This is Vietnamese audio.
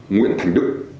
nguyễn thành đức